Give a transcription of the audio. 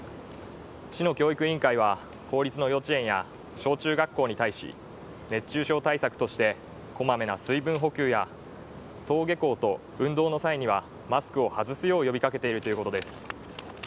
市の教育委員会は公立の幼稚園や小中学校に対し熱中症対策としてこまめな水分補給や、登下校と運動の際にはマスクを外すよう呼びかているということです。